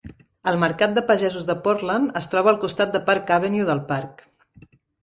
El Mercat de Pagesos de Portland es troba al costat de Park Avenue del parc.